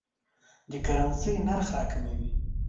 د کرنسۍ نرخ راکموي.